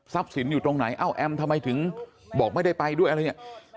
ทรัพย์สินอยู่ตรงไหนเอ้าแอมทำไมถึงบอกไม่ได้ไปด้วยอะไรอย่างนี้